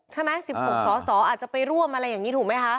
ใช่มั้ยสอสออาจจะไปร่วมอะไรแบบนี้ถูกมั้ยคะ